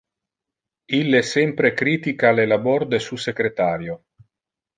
Ille sempre critica le labor de su secretario.